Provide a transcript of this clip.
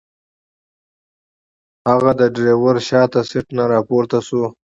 هغه د ډرایور شاته سیټ نه راپورته شو.